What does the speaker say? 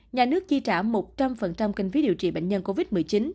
nhà nước chi trả một trăm linh kinh phí điều trị bệnh nhân covid một mươi chín